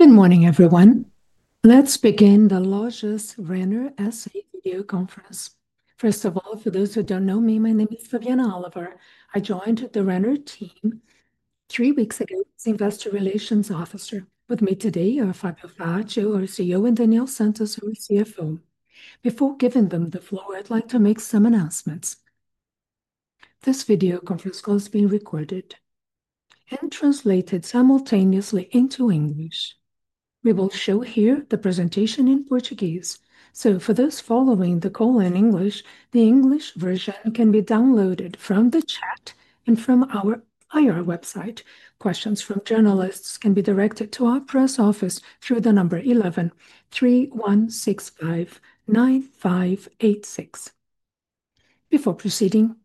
Good morning, everyone. Let's begin the Lojas Renner SA video conference. First of all, for those who don't know me, my name is Fabiana Oliver. I joined the Renner team three weeks ago as Investor Relations Officer. With me today are Fabio Faccio, our CEO, and Daniel Santos, our CFO. Before giving them the floor, I'd like to make some announcements. This video conference call is being recorded and translated simultaneously into English. We will show here the presentation in Portuguese. For those following the call in English, the English version can be downloaded from the chat and from our IR website. Questions from journalists can be directed to our press office through the number eleven three one six five nine five eight six. Before proceeding,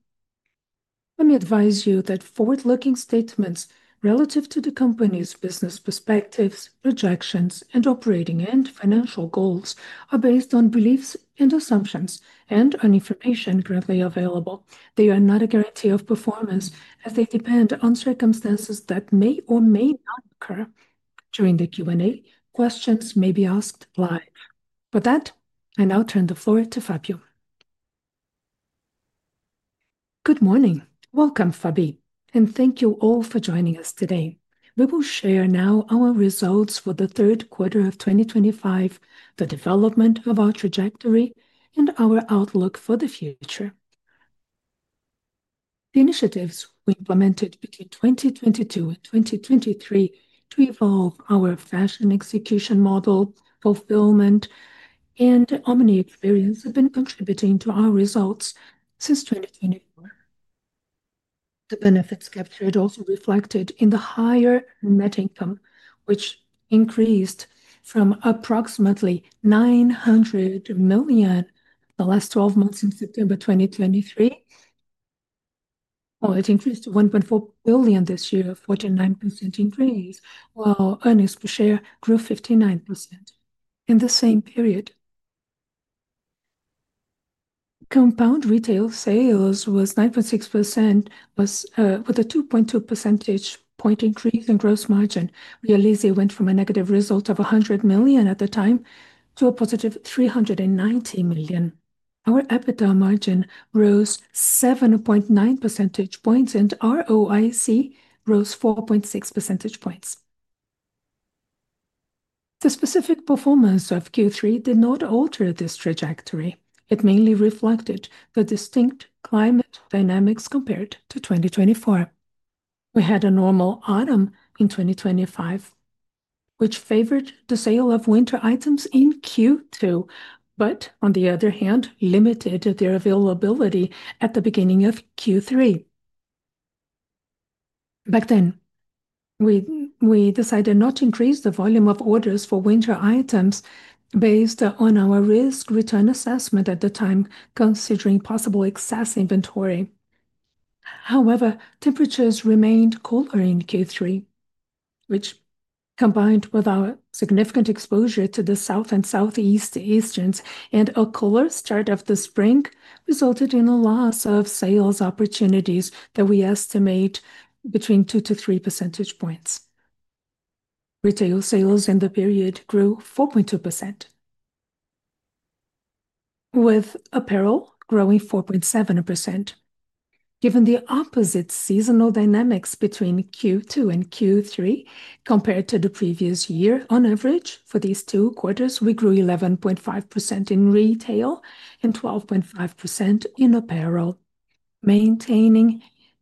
let me advise you that forward-looking statements relative to the company's business perspectives, projections, and operating and financial goals are based on beliefs and assumptions and on information currently available. They are not a guarantee of performance, as they depend on circumstances that may or may not occur. During the Q&A, questions may be asked live. With that, I now turn the floor to Fabio. Good morning. Welcome, Fabi, and thank you all for joining us today. We will share now our results for the third quarter of 2025, the development of our trajectory, and our outlook for the future. The initiatives we implemented between 2022 and 2023 to evolve our fashion execution model, fulfillment, and omni experience have been contributing to our results since 2024. The benefits captured also reflected in the higher net income, which increased from approximately 900 million the last 12 months in September 2023. It increased to 1.4 billion this year, a 49% increase, while earnings per share grew 59% in the same period. Compound retail sales was 9.6%, with a 2.2% point increase in gross margin. We went from a negative result of 100 million at the time to a positive 390 million. Our EBITDA margin rose 7.9% points, and ROIC rose 4.6% points. The specific performance of Q3 did not alter this trajectory. It mainly reflected the distinct climate dynamics compared to 2024. We had a normal autumn in 2025, which favored the sale of winter items in Q2, but on the other hand, limited their availability at the beginning of Q3. Back then, we decided not to increase the volume of orders for winter items based on our risk-return assessment at the time, considering possible excess inventory. However, temperatures remained cooler in Q3, which, combined with our significant exposure to the south and southeasterns and a cooler start of the spring, resulted in a loss of sales opportunities that we estimate between 2%-3% points. Retail sales in the period grew 4.2%, with apparel growing 4.7%. Given the opposite seasonal dynamics between Q2 and Q3 compared to the previous year, on average, for these two quarters, we grew 11.5% in retail and 12.5% in apparel, maintaining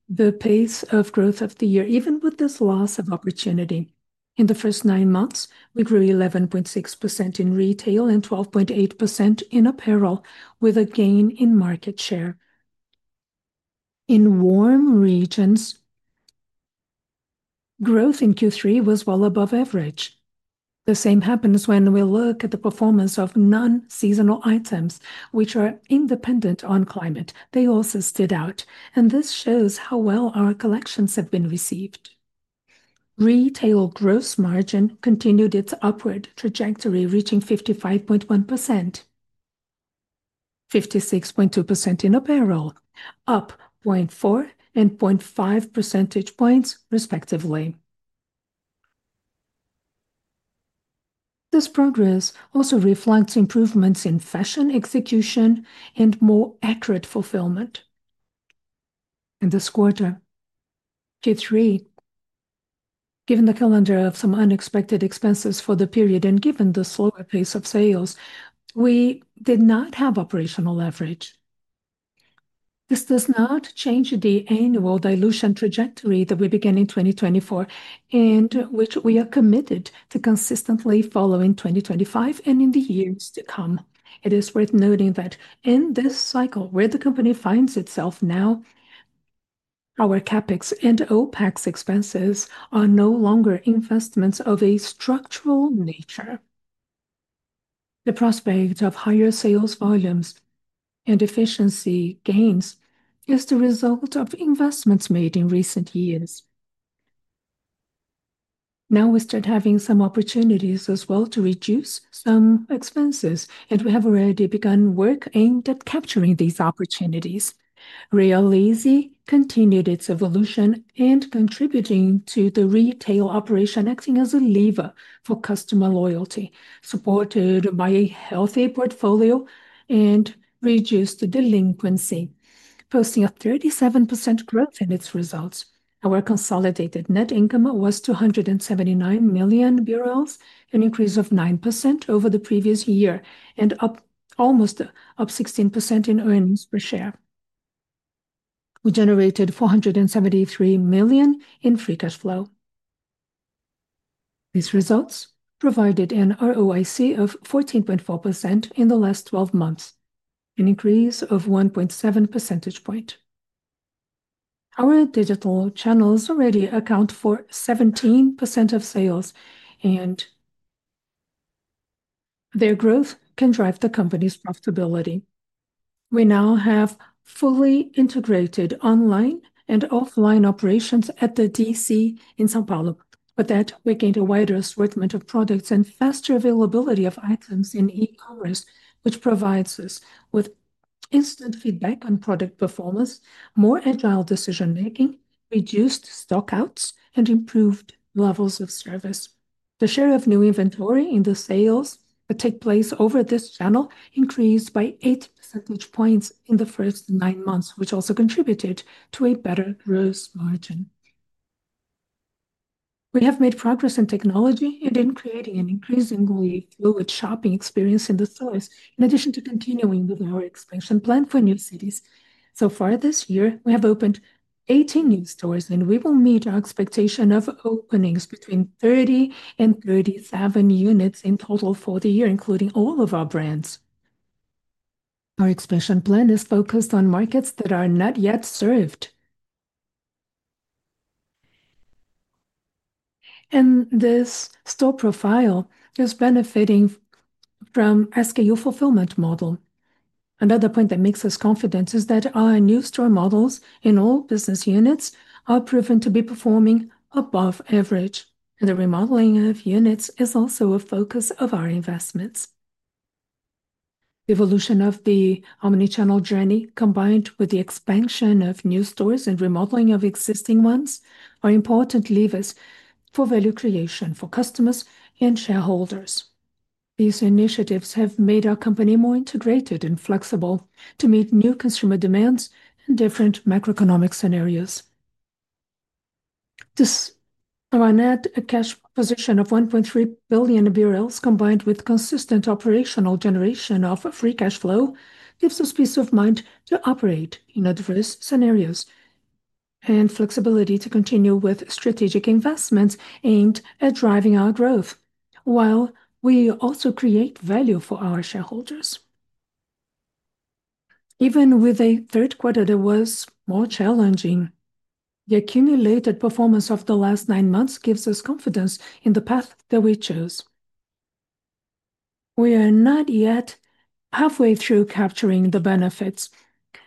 the pace of growth of the year, even with this loss of opportunity. In the first nine months, we grew 11.6% in retail and 12.8% in apparel, with a gain in market share. In warm regions, growth in Q3 was well above average. The same happens when we look at the performance of non-seasonal items, which are independent on climate. They also stood out, and this shows how well our collections have been received. Retail gross margin continued its upward trajectory, reaching 55.1%, 56.2% in apparel, up 0.4% and 0.5% points, respectively. This progress also reflects improvements in fashion execution and more accurate fulfillment. In this quarter, Q3, given the calendar of some unexpected expenses for the period and given the slower pace of sales, we did not have operational leverage. This does not change the annual dilution trajectory that we began in 2024 and which we are committed to consistently following 2025 and in the years to come. It is worth noting that in this cycle, where the company finds itself now, our CapEx and OPEX expenses are no longer investments of a structural nature. The prospect of higher sales volumes and efficiency gains is the result of investments made in recent years. Now we start having some opportunities as well to reduce some expenses, and we have already begun work aimed at capturing these opportunities. Realize continued its evolution and contributing to the retail operation, acting as a lever for customer loyalty, supported by a healthy portfolio and reduced delinquency, posting a 37% growth in its results. Our consolidated net income was 279 million BRL, an increase of 9% over the previous year and up almost 16% in earnings per share. We generated 473 million in free cash flow. These results provided an ROIC of 14.4% in the last 12 months, an increase of 1.7% points. Our digital channels already account for 17% of sales, and their growth can drive the company's profitability. We now have fully integrated online and offline operations at the DC in São Paulo. With that, we gained a wider assortment of products and faster availability of items in e-commerce, which provides us with instant feedback on product performance, more agile decision-making, reduced stockouts, and improved levels of service. The share of new inventory in the sales that take place over this channel increased by 8% points in the first nine months, which also contributed to a better gross margin. We have made progress in technology and in creating an increasingly fluid shopping experience in the stores, in addition to continuing with our expansion plan for new cities. So far this year, we have opened 18 new stores, and we will meet our expectation of openings between 30 and 37 units in total for the year, including all of our brands. Our expansion plan is focused on markets that are not yet served, and this store profile is benefiting from the SKU fulfillment model. Another point that makes us confident is that our new store models in all business units are proven to be performing above average, and the remodeling of units is also a focus of our investments. The evolution of the omnichannel journey, combined with the expansion of new stores and remodeling of existing ones, are important levers for value creation for customers and shareholders. These initiatives have made our company more integrated and flexible to meet new consumer demands and different macroeconomic scenarios. This R&R cash position of BRL 1.3 billion, combined with consistent operational generation of free cash flow, gives us peace of mind to operate in adverse scenarios and flexibility to continue with strategic investments aimed at driving our growth, while we also create value for our shareholders. Even with a third quarter that was more challenging, the accumulated performance of the last nine months gives us confidence in the path that we chose. We are not yet halfway through capturing the benefits.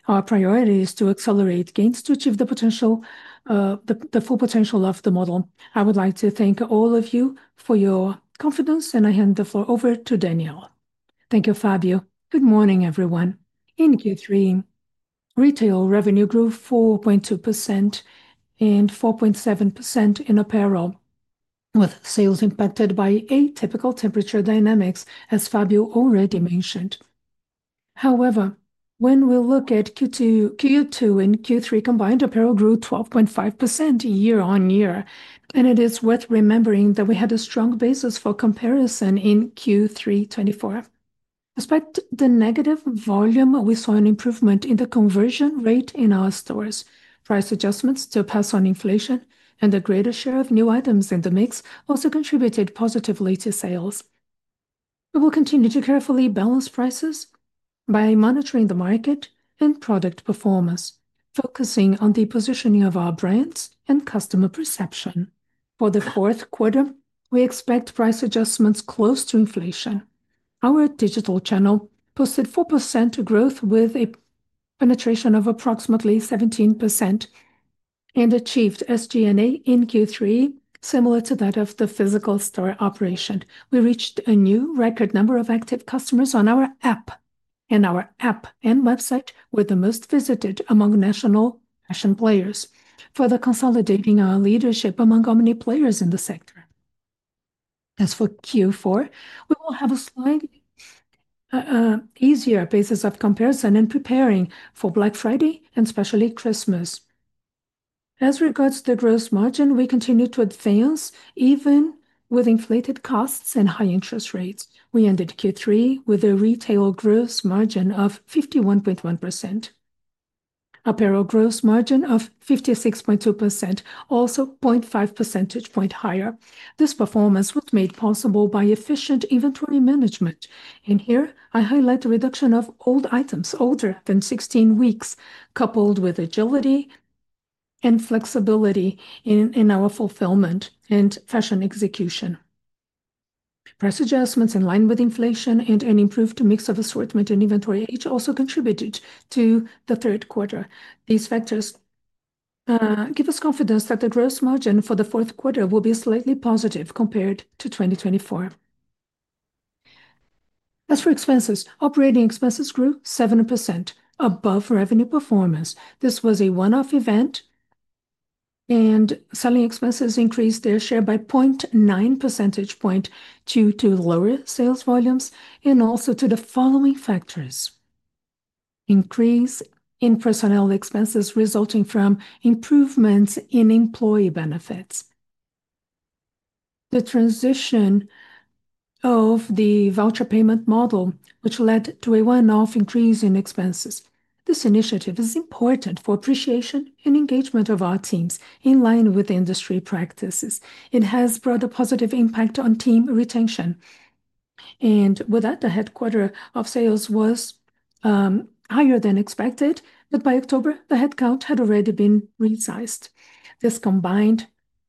Our priority is to accelerate gains to achieve the full potential of the model. I would like to thank all of you for your confidence, and I hand the floor over to Daniel. Thank you, Fabio. Good morning, everyone. In Q3, retail revenue grew 4.2% and 4.7% in apparel, with sales impacted by atypical temperature dynamics, as Fabio already mentioned. However, when we look at Q2 and Q3 combined, apparel grew 12.5% year on year, and it is worth remembering that we had a strong basis for comparison in Q3 2024. Despite the negative volume, we saw an improvement in the conversion rate in our stores. Price adjustments to pass on inflation and a greater share of new items in the mix also contributed positively to sales. We will continue to carefully balance prices by monitoring the market and product performance, focusing on the positioning of our brands and customer perception. For the fourth quarter, we expect price adjustments close to inflation. Our digital channel posted 4% growth with a penetration of approximately 17% and achieved SG&A in Q3 similar to that of the physical store operation. We reached a new record number of active customers on our app, and our app and website were the most visited among national fashion players. Further consolidating our leadership among our many players in the sector. As for Q4, we will have a slightly easier basis of comparison in preparing for Black Friday and especially Christmas. As regards the gross margin, we continue to advance even with inflated costs and high interest rates. We ended Q3 with a retail gross margin of 51.1%, apparel gross margin of 56.2%, also 0.5% point higher. This performance was made possible by efficient inventory management. In here, I highlight the reduction of old items older than 16 weeks, coupled with agility and flexibility in our fulfillment and fashion execution. Price adjustments in line with inflation and an improved mix of assortment and inventory age also contributed to the third quarter. These factors give us confidence that the gross margin for the fourth quarter will be slightly positive compared to 2024. As for expenses, operating expenses grew 7% above revenue performance. This was a one-off event, and selling expenses increased their share by 0.9% point due to lower sales volumes and also to the following factors: increase in personnel expenses resulting from improvements in employee benefits, the transition of the voucher payment model, which led to a one-off increase in expenses. This initiative is important for appreciation and engagement of our teams in line with industry practices. It has brought a positive impact on team retention, and with that, the headcount of sales was higher than expected, but by October, the headcount had already been resized. This combined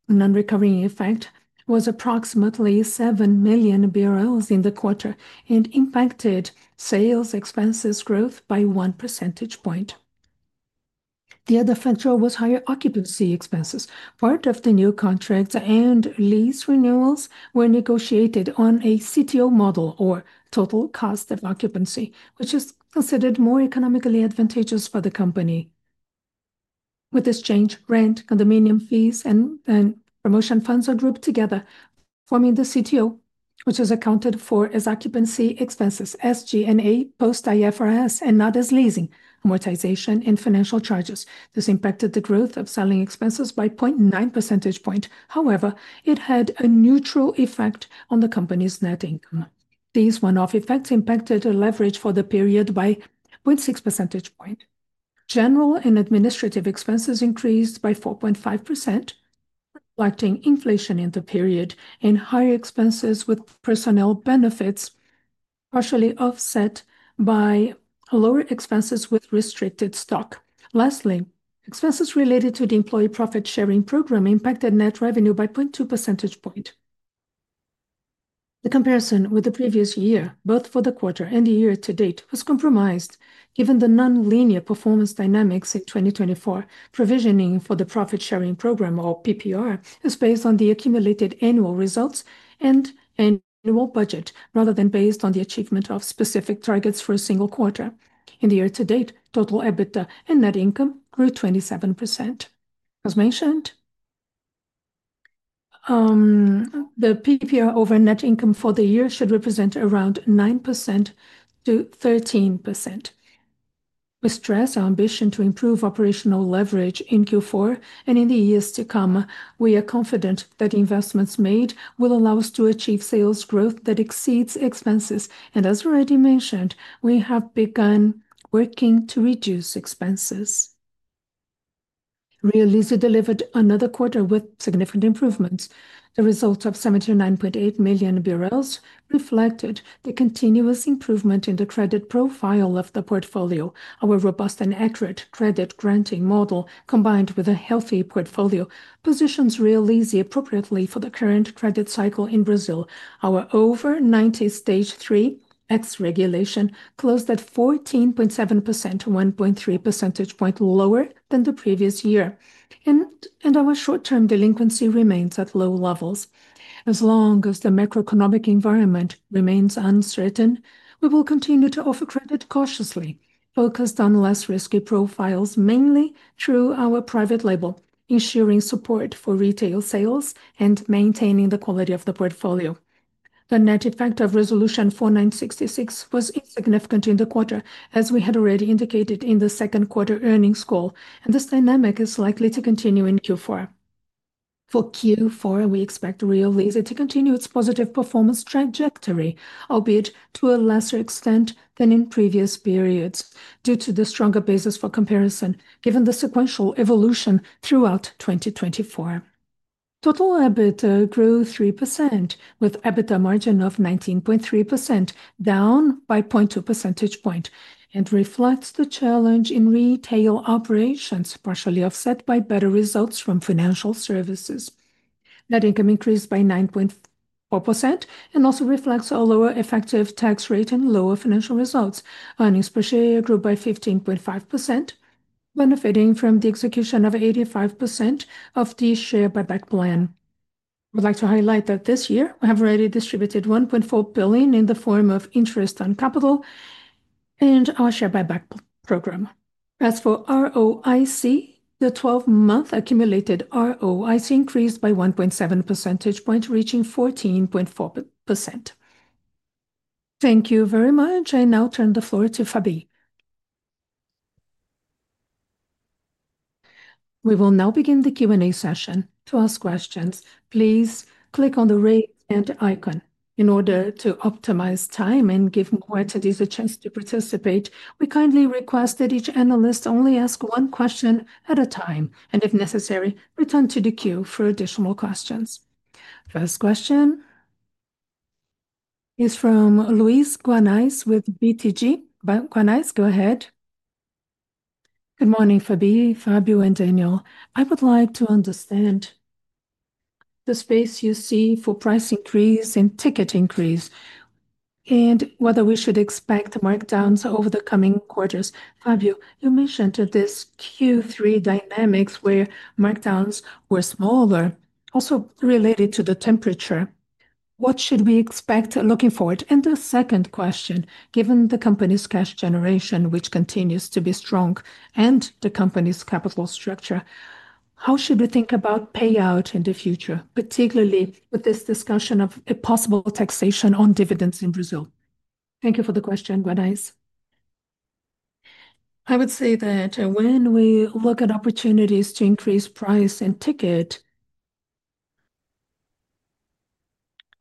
non-recurring effect was approximately BLR 7 million in the quarter and impacted sales expenses growth by 1% point. The other factor was higher occupancy expenses. Part of the new contracts and lease renewals were negotiated on a CTO model or total cost of occupancy, which is considered more economically advantageous for the company. With this change, rent, condominium fees, and promotion funds are grouped together, forming the CTO, which is accounted for as occupancy expenses, SG&A, post-IFRS, and not as leasing, amortization, and financial charges. This impacted the growth of selling expenses by 0.9% point. However, it had a neutral effect on the company's net income. These one-off effects impacted the leverage for the period by 0.6% point. General and administrative expenses increased by 4.5%, reflecting inflation in the period and higher expenses with personnel benefits partially offset by lower expenses with restricted stock. Lastly, expenses related to the employee profit-sharing program impacted net revenue by 0.2% point. The comparison with the previous year, both for the quarter and the year-to-date, was compromised, given the non-linear performance dynamics in 2024. Provisioning for the Profit-Sharing Program, or PPR, is based on the accumulated annual results and annual budget rather than based on the achievement of specific targets for a single quarter. In the year-to-date, total EBITDA and net income grew 27%. As mentioned, the PPR over net income for the year should represent around 9%-13%. We stress our ambition to improve operational leverage in Q4, and in the years to come, we are confident that investments made will allow us to achieve sales growth that exceeds expenses. As already mentioned, we have begun working to reduce expenses. Realize delivered another quarter with significant improvements. The result of BLR 79.8 million reflected the continuous improvement in the credit profile of the portfolio. Our robust and accurate credit-granting model, combined with a healthy portfolio, positions Realize appropriately for the current credit cycle in Brazil. Our over 90 stage 3 ex-regulation closed at 14.7%, 1.3% points lower than the previous year, and our short-term delinquency remains at low levels. As long as the macroeconomic environment remains uncertain, we will continue to offer credit cautiously, focused on less risky profiles, mainly through our private label, ensuring support for retail sales and maintaining the quality of the portfolio. The net effect of Resolution 4966 was insignificant in the quarter, as we had already indicated in the second quarter earnings call, and this dynamic is likely to continue in Q4. For Q4, we expect Realize to continue its positive performance trajectory, albeit to a lesser extent than in previous periods, due to the stronger basis for comparison given the sequential evolution throughout 2024. Total EBITDA grew 3%, with EBITDA margin of 19.3%, down by 0.2% point, and reflects the challenge in retail operations, partially offset by better results from financial services. Net income increased by 9.4% and also reflects a lower effective tax rate and lower financial results. Earnings per share grew by 15.5%, benefiting from the execution of 85% of the share buyback plan. I would like to highlight that this year we have already distributed 1.4 billion in the form of interest on capital and our share buyback program. As for ROIC, the 12-month accumulated ROIC increased by 1.7% points, reaching 14.4%. Thank you very much. I now turn the floor to Fabi. We will now begin the Q&A session. To ask questions, please click on the raise hand icon. In order to optimize time and give more attendees a chance to participate, we kindly request that each analyst only ask one question at a time, and if necessary, return to the queue for additional questions. First question is from Luiz Guanais with BTG. Guanais, go ahead. Good morning, Fabi, Fabio, and Daniel. I would like to understand the space you see for price increase and ticket increase, and whether we should expect markdowns over the coming quarters. Fabio, you mentioned this Q3 dynamics, where markdowns were smaller, also related to the temperature. What should we expect looking forward? The second question, given the company's cash generation, which continues to be strong, and the company's capital structure, how should we think about payout in the future, particularly with this discussion of a possible taxation on dividends in Brazil? Thank you for the question, Guanais. I would say that when we look at opportunities to increase price and ticket,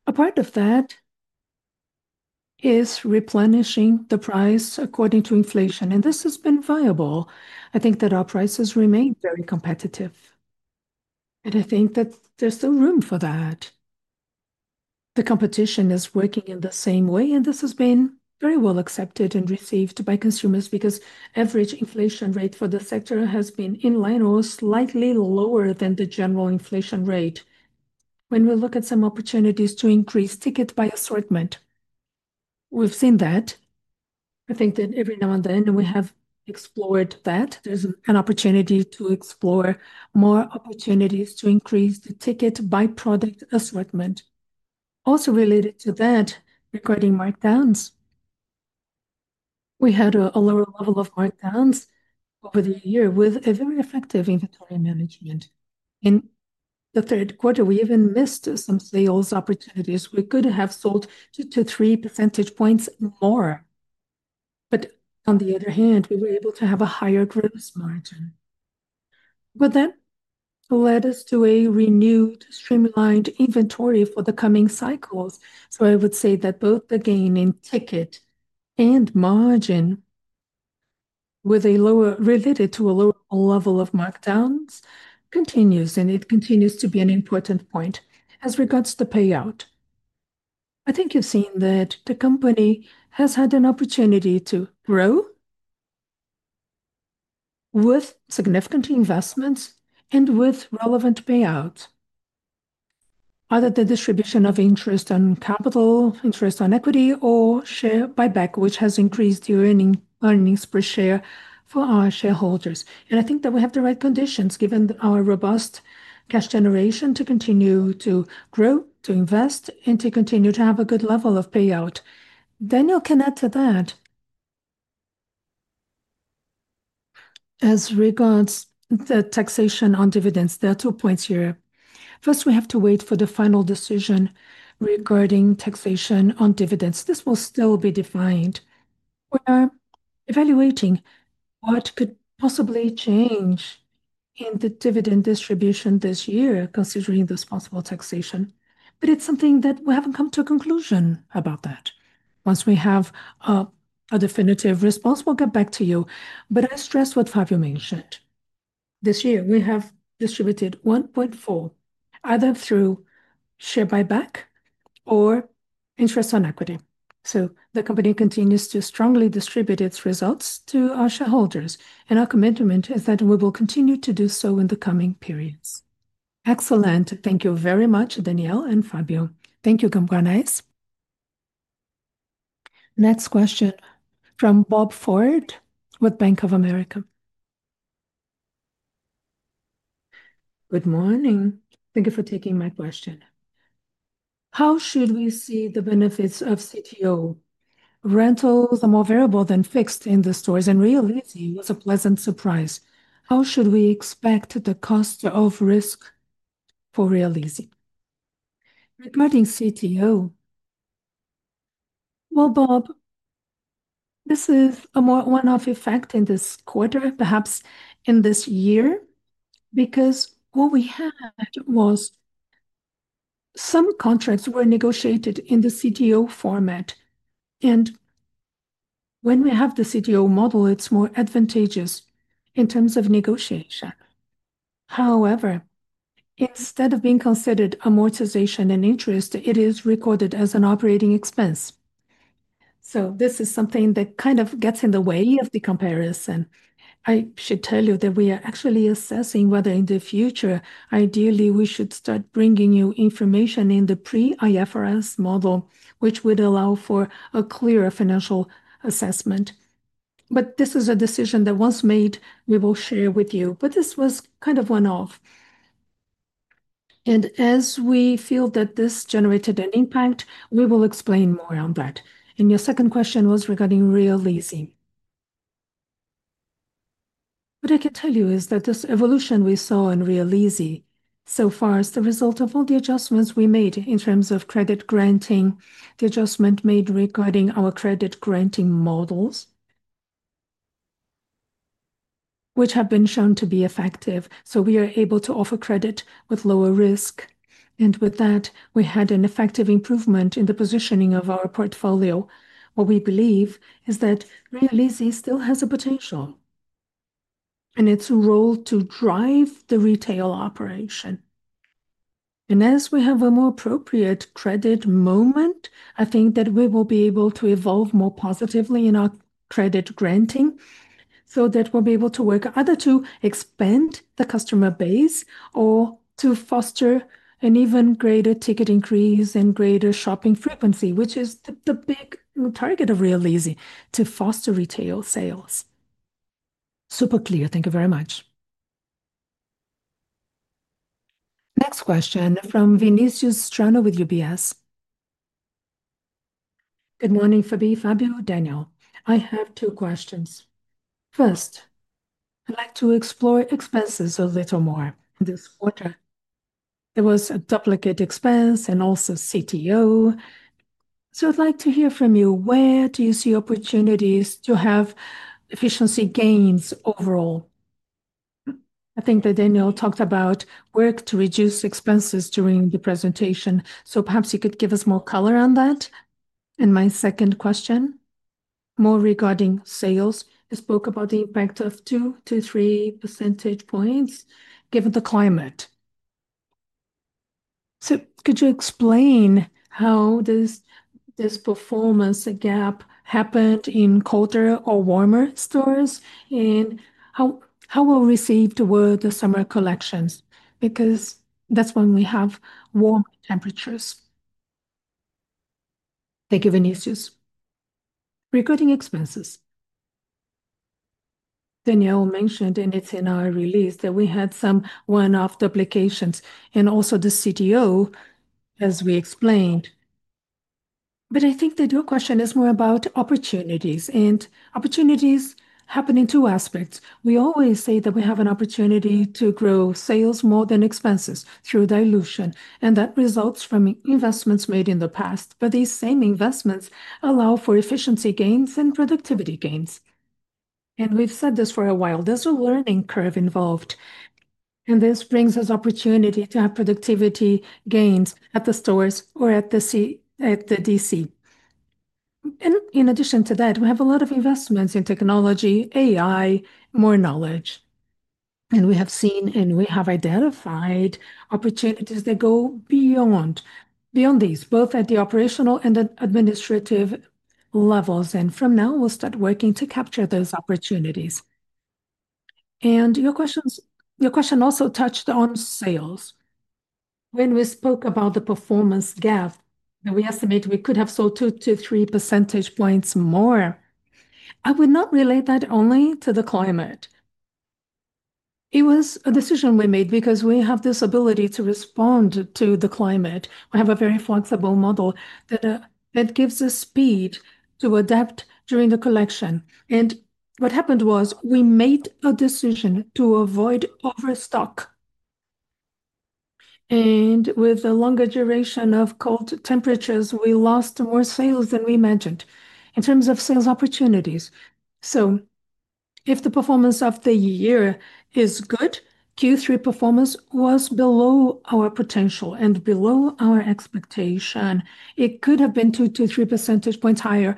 a part of that is replenishing the price according to inflation, and this has been viable. I think that our prices remain very competitive, and I think that there is still room for that. The competition is working in the same way, and this has been very well accepted and received by consumers because the average inflation rate for the sector has been in line or slightly lower than the general inflation rate. When we look at some opportunities to increase ticket by assortment, we have seen that. I think that every now and then we have explored that. There is an opportunity to explore more opportunities to increase the ticket by product assortment. Also related to that, regarding markdowns, we had a lower level of markdowns over the year with a very effective inventory management. In the third quarter, we even missed some sales opportunities. We could have sold 2%-3% points more, but on the other hand, we were able to have a higher gross margin. That led us to a renewed, streamlined inventory for the coming cycles. I would say that both the gain in ticket and margin, related to a lower level of markdowns, continues, and it continues to be an important point. As regards to the payout, I think you've seen that the company has had an opportunity to grow with significant investments and with relevant payouts, either the distribution of interest on capital, interest on equity, or share buyback, which has increased the earnings per share for our shareholders. I think that we have the right conditions, given our robust cash generation, to continue to grow, to invest, and to continue to have a good level of payout. Daniel, can you add to that? As regards the taxation on dividends, there are two points here. First, we have to wait for the final decision regarding taxation on dividends. This will still be defined. We're evaluating what could possibly change in the dividend distribution this year, considering the responsible taxation. It's something that we haven't come to a conclusion about. Once we have a definitive response, we'll get back to you. I stress what Fabio mentioned. This year, we have distributed 1.4% either through share buyback or interest on equity. The company continues to strongly distribute its results to our shareholders, and our commitment is that we will continue to do so in the coming periods. Excellent. Thank you very much, Daniel and Fabio. Thank you, Guanais. Next question from Bob Ford with Bank of America. Good morning. Thank you for taking my question. How should we see the benefits of CTO? Rentals are more variable than fixed in the stores, and Realize was a pleasant surprise. How should we expect the cost of risk for Realize? Regarding CTO, Bob, this is a more one-off effect in this quarter, perhaps in this year, because what we had was some contracts were negotiated in the CTO format, and when we have the CTO model, it is more advantageous in terms of negotiation. However, instead of being considered amortization and interest, it is recorded as an operating expense. This is something that kind of gets in the way of the comparison. I should tell you that we are actually assessing whether in the future, ideally, we should start bringing you information in the pre-IFRS model, which would allow for a clearer financial assessment. This is a decision that once made, we will share with you. This was kind of one-off. As we feel that this generated an impact, we will explain more on that. Your second question was regarding Realize. What I can tell you is that this evolution we saw in Realize so far is the result of all the adjustments we made in terms of credit granting, the adjustment made regarding our credit granting models, which have been shown to be effective. We are able to offer credit with lower risk. With that, we had an effective improvement in the positioning of our portfolio. What we believe is that Realize still has a potential, and it's a role to drive the retail operation. As we have a more appropriate credit moment, I think that we will be able to evolve more positively in our credit granting so that we'll be able to work either to expand the customer base or to foster an even greater ticket increase and greater shopping frequency, which is the big target of Realize to foster retail sales. Super clear. Thank you very much. Next question from Vinicius Strano with UBS. Good morning, Fabi, Fabio, Daniel. I have two questions. First, I'd like to explore expenses a little more this quarter. There was a duplicate expense and also CTO. I'd like to hear from you. Where do you see opportunities to have efficiency gains overall? I think that Daniel talked about work to reduce expenses during the presentation, so perhaps you could give us more color on that. My second question, more regarding sales, you spoke about the impact of 2%-3% points, given the climate. Could you explain how this performance gap happened in colder or warmer stores and how we'll receive toward the summer collections? That's when we have warmer temperatures. Thank you, Venicius. Regarding expenses, Daniel mentioned, and it's in our release that we had some one-off duplications and also the CTO, as we explained. I think that your question is more about opportunities and opportunities happen in two aspects. We always say that we have an opportunity to grow sales more than expenses through dilution, and that results from investments made in the past. These same investments allow for efficiency gains and productivity gains. We've said this for a while. There's a learning curve involved, and this brings us opportunity to have productivity gains at the stores or at the DC. In addition to that, we have a lot of investments in technology, AI, more knowledge. We have seen and we have identified opportunities that go beyond these, both at the operational and administrative levels. From now, we'll start working to capture those opportunities. Your question also touched on sales. When we spoke about the performance gap, we estimate we could have sold 2%-3% points more. I would not relate that only to the climate. It was a decision we made because we have this ability to respond to the climate. We have a very flexible model that gives us speed to adapt during the collection. What happened was we made a decision to avoid overstock. With a longer duration of cold temperatures, we lost more sales than we imagined in terms of sales opportunities. If the performance of the year is good, Q3 performance was below our potential and below our expectation. It could have been 2%-3% points higher,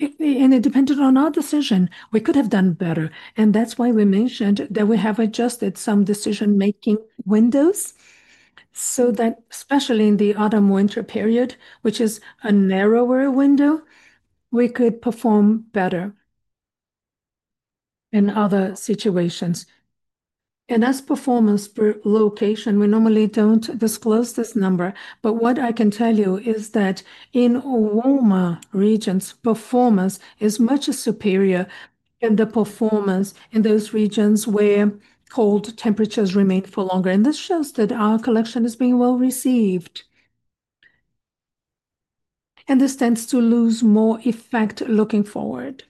and it depended on our decision. We could have done better. That is why we mentioned that we have adjusted some decision-making windows so that, especially in the autumn-winter period, which is a narrower window, we could perform better in other situations. As performance per location, we normally do not disclose this number, but what I can tell you is that in warmer regions, performance is much superior than the performance in those regions where cold temperatures remain for longer. This shows that our collection is being well received. This tends to lose more effect looking forward.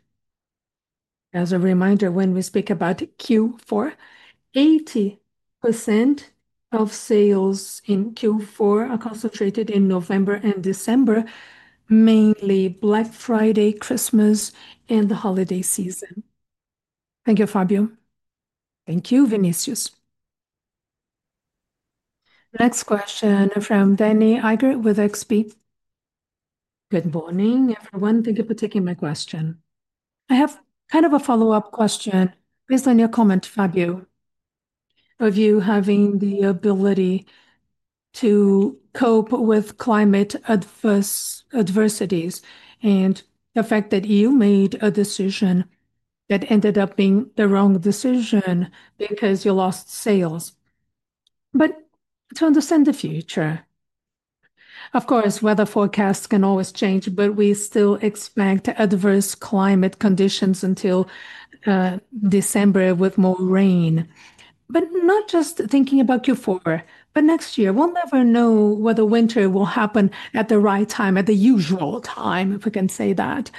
As a reminder, when we speak about Q4, 80% of sales in Q4 are concentrated in November and December, mainly Black Friday, Christmas, and the holiday season. Thank you, Fabio. Thank you, Venicius. Next question from Danny Eiger with XP. Good morning, everyone. Thank you for taking my question. I have kind of a follow-up question based on your comment, Fabio, of you having the ability to cope with climate adversities and the fact that you made a decision that ended up being the wrong decision because you lost sales. To understand the future, of course, weather forecasts can always change, but we still expect adverse climate conditions until December with more rain. Not just thinking about Q4, but next year, we'll never know whether winter will happen at the right time, at the usual time, if we can say that.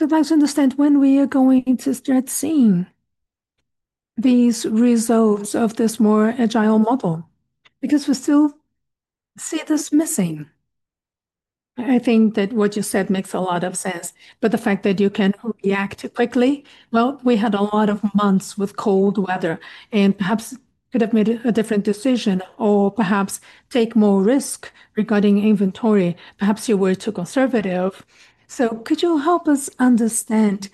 I'd like to understand when we are going to start seeing these results of this more agile model, because we still see this missing. I think that what you said makes a lot of sense, but the fact that you can react quickly, we had a lot of months with cold weather, and perhaps could have made a different decision, or perhaps take more risk regarding inventory. Perhaps you were too conservative. Could you help us understand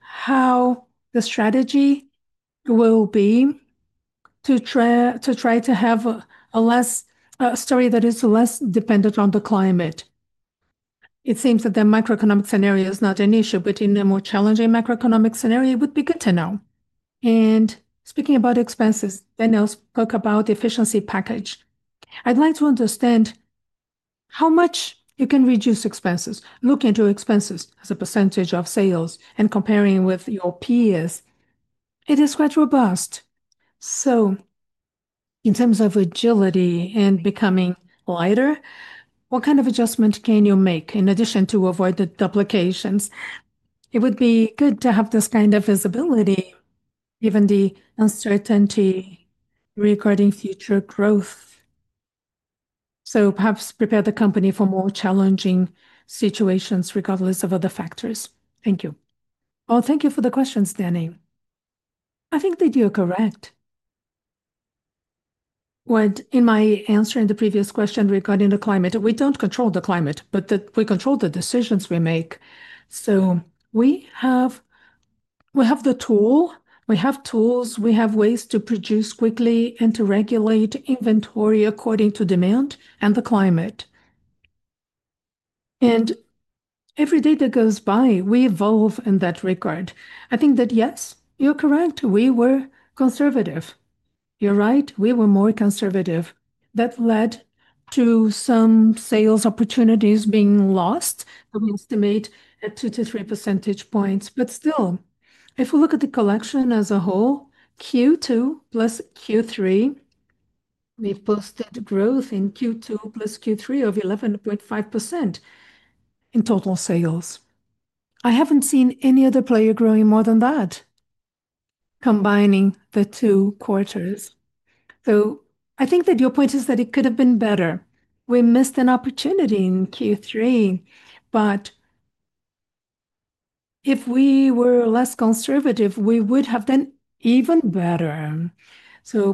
how the strategy will be to try to have a story that is less dependent on the climate? It seems that the macroeconomic scenario is not an issue, but in a more challenging macroeconomic scenario, it would be good to know. Speaking about expenses, Daniel spoke about the efficiency package. I'd like to understand how much you can reduce expenses, looking into expenses as a percentage of sales and comparing with your peers. It is quite robust. In terms of agility and becoming lighter, what kind of adjustment can you make in addition to avoid the duplications? It would be good to have this kind of visibility, given the uncertainty regarding future growth. Perhaps prepare the company for more challenging situations regardless of other factors. Thank you. Oh, thank you for the questions, Danny. I think that you're correct. In my answer in the previous question regarding the climate, we don't control the climate, but we control the decisions we make. We have the tool, we have tools, we have ways to produce quickly and to regulate inventory according to demand and the climate. Every day that goes by, we evolve in that regard. I think that yes, you're correct. We were conservative. You're right. We were more conservative. That led to some sales opportunities being lost that we estimate at 2%-3% points. Still, if we look at the collection as a whole, Q2 plus Q3, we posted growth in Q2 plus Q3 of 11.5% in total sales. I have not seen any other player growing more than that, combining the two quarters. I think that your point is that it could have been better. We missed an opportunity in Q3, but if we were less conservative, we would have done even better.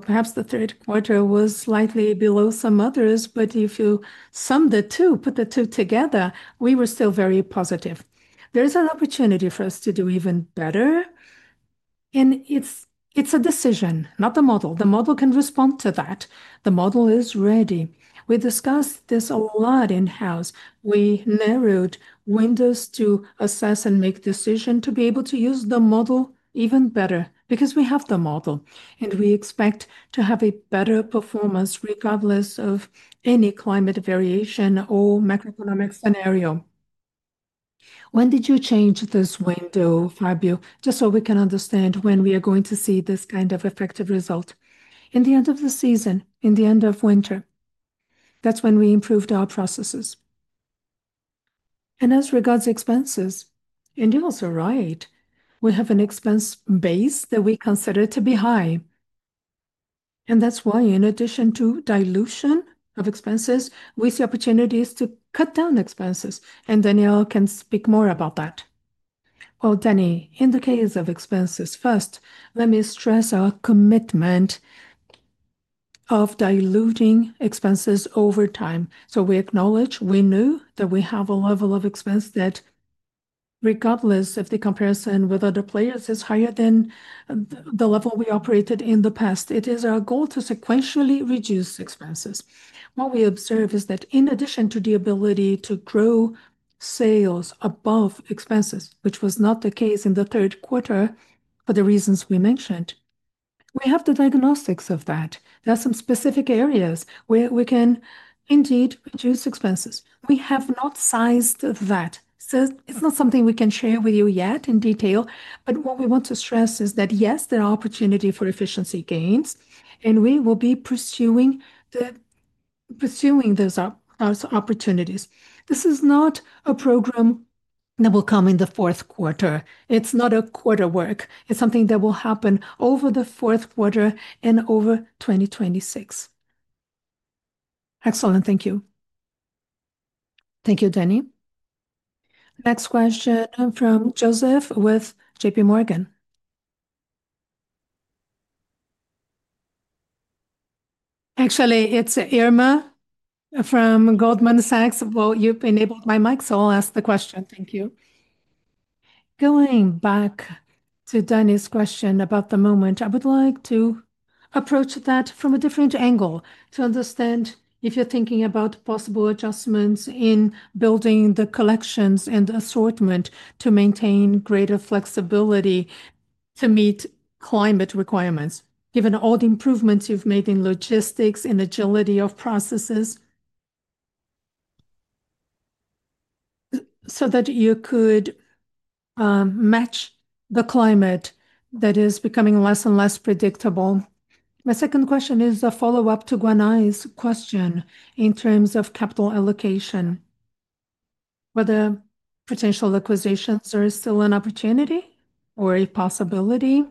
Perhaps the third quarter was slightly below some others, but if you sum the two, put the two together, we were still very positive. There is an opportunity for us to do even better. It is a decision, not the model. The model can respond to that. The model is ready. We discussed this a lot in-house. We narrowed windows to assess and make decisions to be able to use the model even better because we have the model, and we expect to have a better performance regardless of any climate variation or macroeconomic scenario. When did you change this window, Fabio, just so we can understand when we are going to see this kind of effective result? In the end of the season, in the end of winter. That is when we improved our processes. As regards expenses, you are also right, we have an expense base that we consider to be high. That is why, in addition to dilution of expenses, we see opportunities to cut down expenses. Daniel can speak more about that. Danny, in the case of expenses, first, let me stress our commitment of diluting expenses over time. We acknowledge we knew that we have a level of expense that, regardless of the comparison with other players, is higher than the level we operated in the past. It is our goal to sequentially reduce expenses. What we observe is that, in addition to the ability to grow sales above expenses, which was not the case in the third quarter for the reasons we mentioned, we have the diagnostics of that. There are some specific areas where we can indeed reduce expenses. We have not sized that. It is not something we can share with you yet in detail, but what we want to stress is that, yes, there are opportunities for efficiency gains, and we will be pursuing those opportunities. This is not a program that will come in the fourth quarter. It is not a quarter work. It's something that will happen over the fourth quarter and over 2026. Excellent. Thank you. Thank you, Danny. Next question from Joseph with JPMorgan. Actually, it's Irma from Goldman Sachs. You've enabled my mic, so I'll ask the question. Thank you. Going back to Danny's question about the moment, I would like to approach that from a different angle to understand if you're thinking about possible adjustments in building the collections and assortment to maintain greater flexibility to meet climate requirements, given all the improvements you've made in logistics, in agility of processes, so that you could match the climate that is becoming less and less predictable. My second question is a follow-up to Guanais's question in terms of capital allocation, whether potential acquisitions are still an opportunity or a possibility.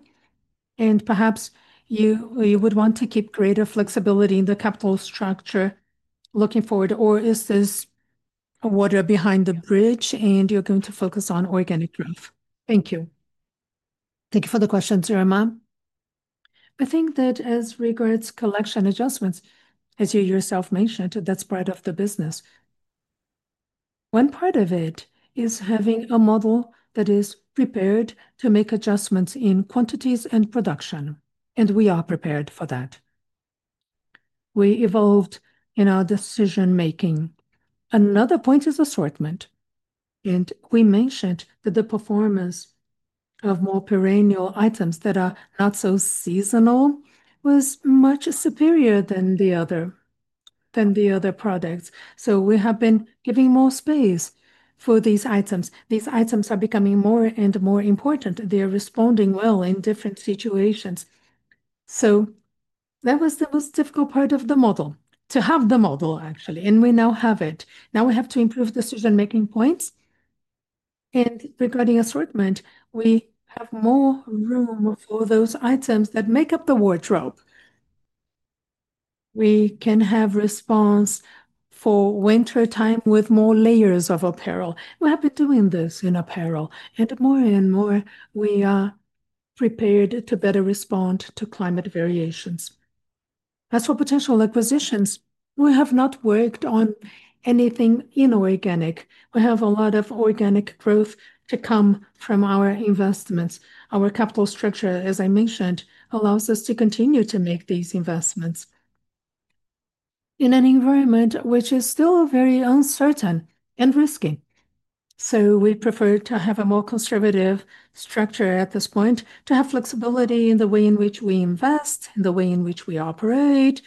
Perhaps you would want to keep greater flexibility in the capital structure looking forward, or is this water behind the bridge and you are going to focus on organic growth? Thank you. Thank you for the questions, Irma. I think that as regards collection adjustments, as you yourself mentioned, that is part of the business. One part of it is having a model that is prepared to make adjustments in quantities and production, and we are prepared for that. We evolved in our decision-making. Another point is assortment. We mentioned that the performance of more perennial items that are not so seasonal was much superior than the other products. We have been giving more space for these items. These items are becoming more and more important. They are responding well in different situations. That was the most difficult part of the model, to have the model, actually. We now have it. Now we have to improve decision-making points. Regarding assortment, we have more room for those items that make up the wardrobe. We can have response for wintertime with more layers of apparel. We have been doing this in apparel. More and more, we are prepared to better respond to climate variations. As for potential acquisitions, we have not worked on anything inorganic. We have a lot of organic growth to come from our investments. Our capital structure, as I mentioned, allows us to continue to make these investments in an environment which is still very uncertain and risky. We prefer to have a more conservative structure at this point, to have flexibility in the way in which we invest, in the way in which we operate,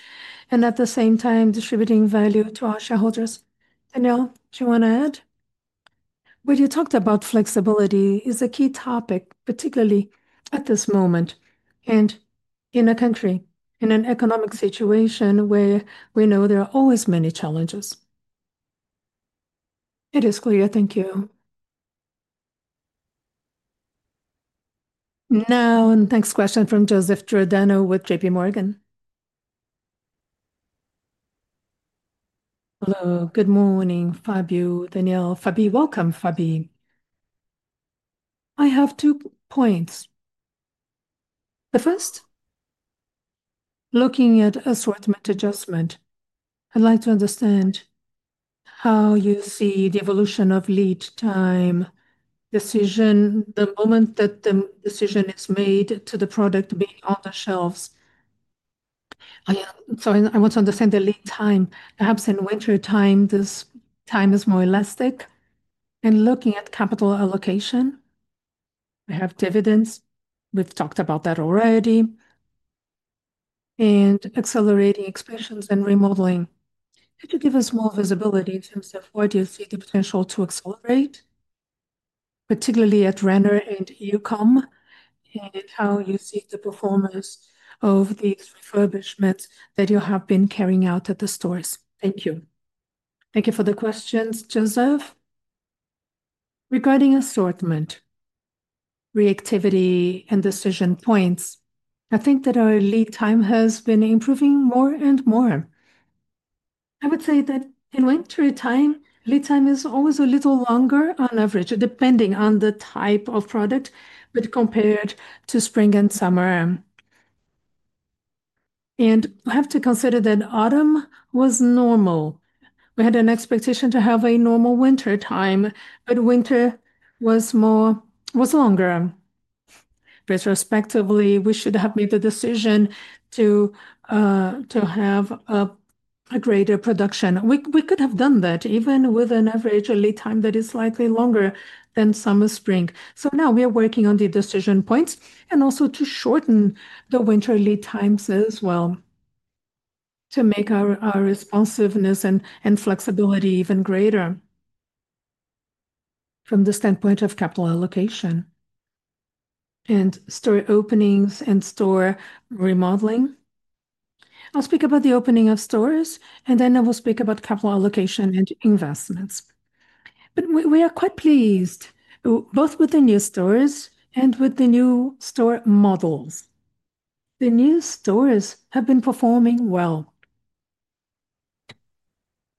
and at the same time, distributing value to our shareholders. Daniel, do you want to add? What you talked about, flexibility, is a key topic, particularly at this moment and in a country, in an economic situation where we know there are always many challenges. It is clear. Thank you. Now, next question from Joseph Giordano with JPMorgan. Hello. Good morning, Fabio, Daniel, Fabi. Welcome, Fabi. I have two points. The first, looking at assortment adjustment, I'd like to understand how you see the evolution of lead time, decision, the moment that the decision is made to the product being on the shelves. So I want to understand the lead time. Perhaps in wintertime, this time is more elastic. And looking at capital allocation, we have dividends. We've talked about that already. And accelerating expansions and remodeling. Could you give us more visibility in terms of what you see the potential to accelerate, particularly at Renner and Youcom, and how you see the performance of these refurbishments that you have been carrying out at the stores? Thank you. Thank you for the questions, Joseph. Regarding assortment, reactivity, and decision points, I think that our lead time has been improving more and more. I would say that in wintertime, lead time is always a little longer on average, depending on the type of product, but compared to spring and summer. I have to consider that autumn was normal. We had an expectation to have a normal wintertime, but winter was longer. Retrospectively, we should have made the decision to have a greater production. We could have done that even with an average lead time that is slightly longer than summer-spring. Now we are working on the decision points and also to shorten the winter lead times as well to make our responsiveness and flexibility even greater from the standpoint of capital allocation and store openings and store remodeling. I will speak about the opening of stores, and then I will speak about capital allocation and investments. We are quite pleased, both with the new stores and with the new store models. The new stores have been performing well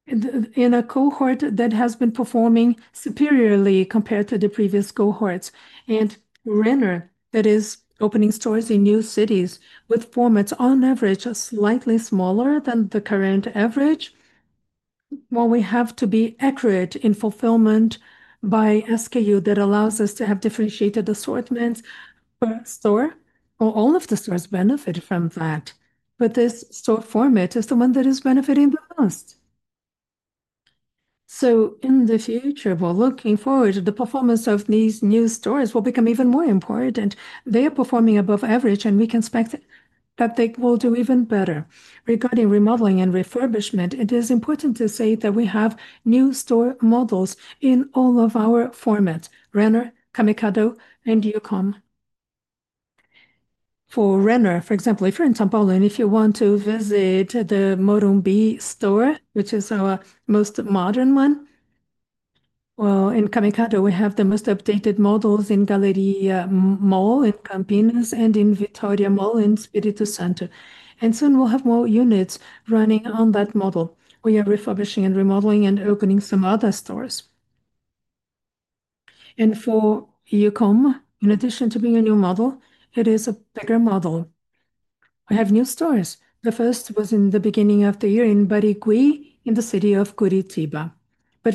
in a cohort that has been performing superiorly compared to the previous cohorts. Renner, that is, opening stores in new cities with formats on average are slightly smaller than the current average. While we have to be accurate in fulfillment by SKU that allows us to have differentiated assortments per store, all of the stores benefit from that. This store format is the one that is benefiting the most. In the future, while looking forward, the performance of these new stores will become even more important. They are performing above average, and we can expect that they will do even better. Regarding remodeling and refurbishment, it is important to say that we have new store models in all of our formats: Renner, Camicado, and Youcom. For Renner, for example, if you're in São Paulo and if you want to visit the Morumbi store, which is our most modern one, in Camicado, we have the most updated models in Galeria Mall in Campinas and in Victoria Mall in Espírito Santo. Soon we'll have more units running on that model. We are refurbishing and remodeling, and opening some other stores. For Youcom, in addition to being a new model, it is a bigger model. We have new stores. The first was in the beginning of the year in Barigui in the city of Curitiba.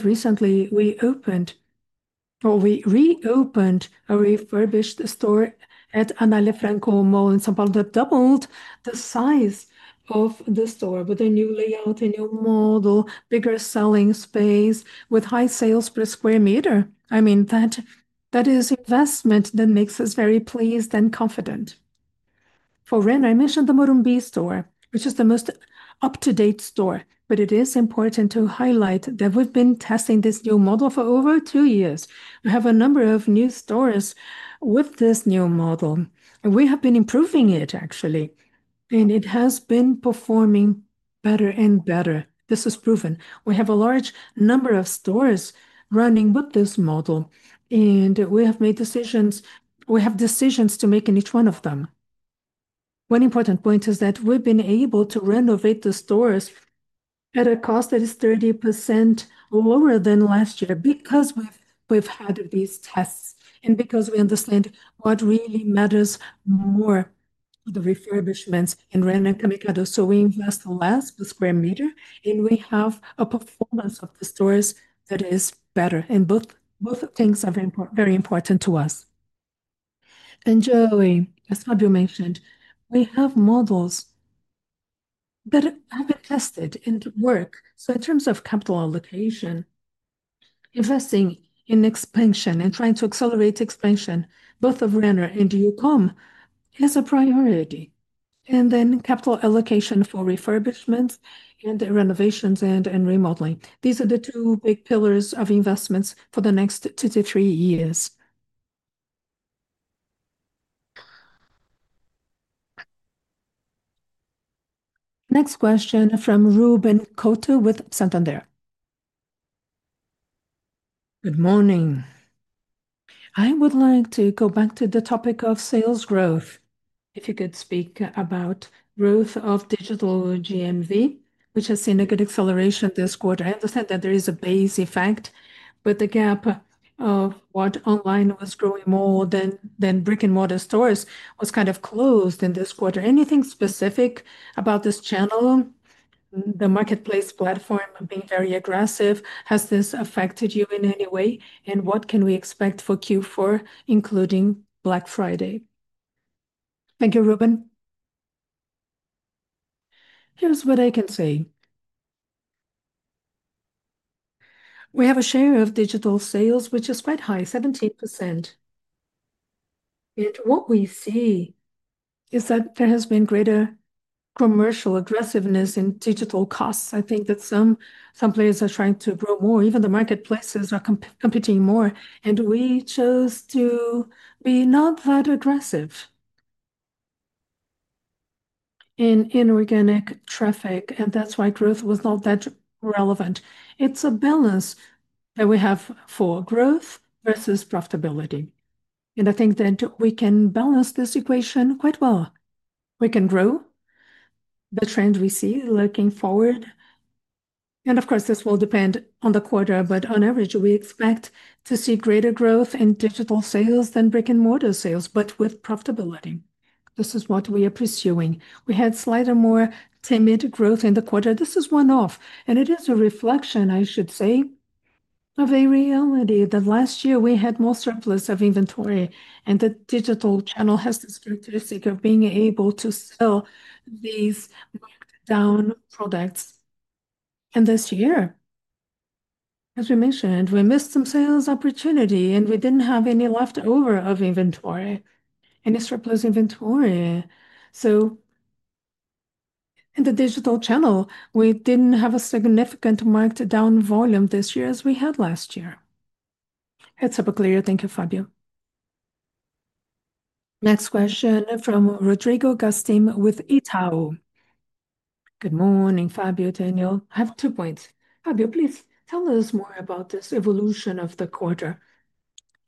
Recently, we opened or we reopened a refurbished store at Anália Franco Mall in São Paulo that doubled the size of the store with a new layout, a new model, bigger selling space with high sales per square meter. I mean, that is investment that makes us very pleased and confident. For Renner, I mentioned the Morumbi store, which is the most up-to-date store, but it is important to highlight that we've been testing this new model for over two years. We have a number of new stores with this new model. We have been improving it, actually, and it has been performing better and better. This is proven. We have a large number of stores running with this model, and we have made decisions. We have decisions to make in each one of them. One important point is that we've been able to renovate the stores at a cost that is 30% lower than last year because we've had these tests and because we understand what really matters more: the refurbishments in Renner and Camicado. We invest less per square meter, and we have a performance of the stores that is better. Both things are very important to us. Joey, as Fabio mentioned, we have models that have been tested and work. In terms of capital allocation, investing in expansion and trying to accelerate expansion, both of Renner and Youcom, is a priority. Capital allocation for refurbishments and renovations, and remodeling. These are the two big pillars of investments for the next two to three years. Next question from Ruben Couto with Santander. Good morning. I would like to go back to the topic of sales growth. If you could speak about growth of digital GMV, which has seen a good acceleration this quarter. I understand that there is a base effect, but the gap of what online was growing more than brick-and-mortar stores was kind of closed in this quarter. Anything specific about this channel, the marketplace platform being very aggressive? Has this affected you in any way? What can we expect for Q4, including Black Friday? Thank you, Ruben. Here's what I can say. We have a share of digital sales, which is quite high, 17%. What we see is that there has been greater commercial aggressiveness in digital costs. I think that some players are trying to grow more. Even the marketplaces are competing more. We chose to be not that aggressive in organic traffic, and that is why growth was not that relevant. It is a balance that we have for growth versus profitability. I think that we can balance this equation quite well. We can grow the trend we see looking forward. Of course, this will depend on the quarter, but on average, we expect to see greater growth in digital sales than brick-and-mortar sales, but with profitability. This is what we are pursuing. We had slightly more timid growth in the quarter. This is one-off, and it is a reflection, I should say, of a reality that last year we had more surplus of inventory, and the digital channel has this characteristic of being able to sell these marked-down products. This year, as we mentioned, we missed some sales opportunity, and we did not have any leftover of inventory. Any surplus inventory. So in the digital channel, we did not have a significant marked-down volume this year as we had last year. It is a bit clear. Thank you, Fabio. Next question from Rodrigo Gastim with Itaú. Good morning, Fabio, Daniel. I have two points. Fabio, please tell us more about this evolution of the quarter.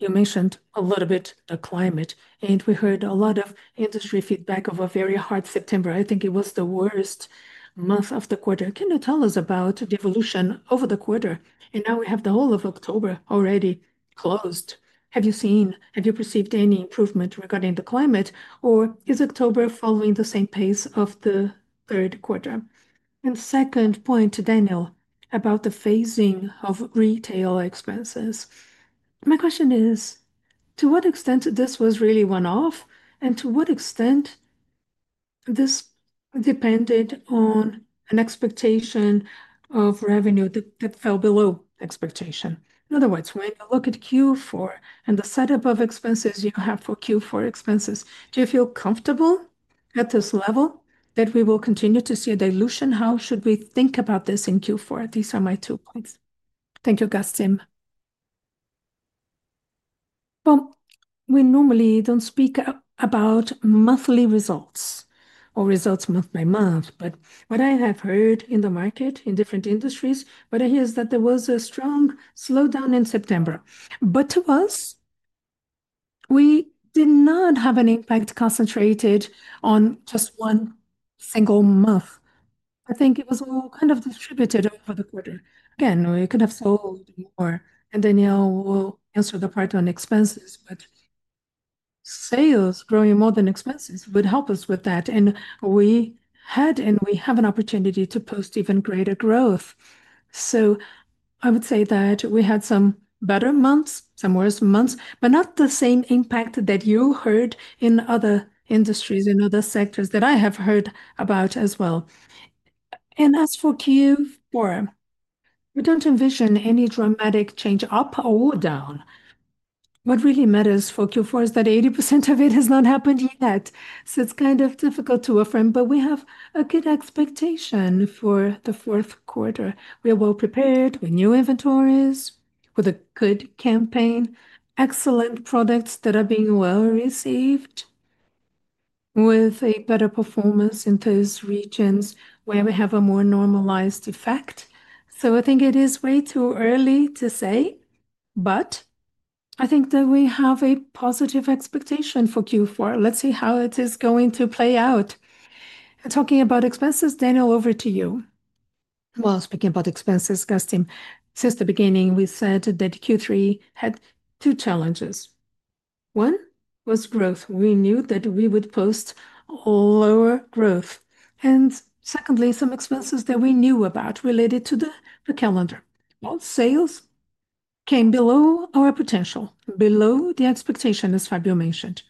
You mentioned a little bit the climate, and we heard a lot of industry feedback of a very hard September. I think it was the worst month of the quarter. Can you tell us about the evolution over the quarter? Now we have the whole of October already closed. Have you seen, have you perceived any improvement regarding the climate, or is October following the same pace of the third quarter? Second point, Daniel, about the phasing of retail expenses. My question is, to what extent this was really one-off, and to what extent this depended on an expectation of revenue that fell below expectation? In other words, when you look at Q4 and the setup of expenses you have for Q4 expenses, do you feel comfortable at this level that we will continue to see a dilution? How should we think about this in Q4? These are my two points. Thank you, Gastim. We normally do not speak about monthly results or results month by month, but what I have heard in the market, in different industries, what I hear is that there was a strong slowdown in September. To us, we did not have an impact concentrated on just one single month. I think it was all kind of distributed over the quarter. Again, we could have sold more, and Daniel will answer the part on expenses, but sales growing more than expenses would help us with that. We had, and we have an opportunity to post even greater growth. I would say that we had some better months, some worse months, but not the same impact that you heard in other industries, in other sectors that I have heard about as well. As for Q4, we do not envision any dramatic change up or down. What really matters for Q4 is that 80% of it has not happened yet. It is kind of difficult to affirm, but we have a good expectation for the fourth quarter. We are well prepared with new inventories, with a good campaign, excellent products that are being well received, with a better performance in those regions where we have a more normalized effect. I think it is way too early to say, but I think that we have a positive expectation for Q4. Let's see how it is going to play out. Talking about expenses, Daniel, over to you. While speaking about expenses, Gastim, since the beginning, we said that Q3 had two challenges. One was growth. We knew that we would post lower growth. Secondly, some expenses that we knew about related to the calendar. Sales came below our potential, below the expectation, as Fabio mentioned.